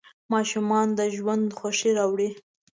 ماشومان د ژوند خوښي راوړي.